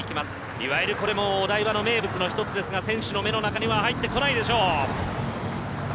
いわいるこれもお台場の名物の一つですが、選手の目の中には入ってこないでしょう。